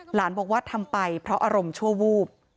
หลานบอกว่าทำไปเพราะอารมณ์ชั่ววูบ